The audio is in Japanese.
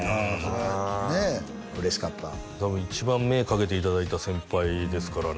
うん嬉しかった多分一番目かけていただいた先輩ですからね